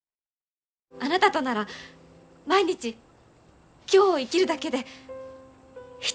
あなたとなら毎日今日を生きるだけでひたすら大冒険なんです。